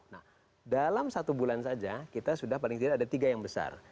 nah dalam satu bulan saja kita sudah paling tidak ada tiga yang besar